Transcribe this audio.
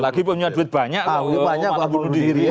lagi punya duit banyak mau membunuh diri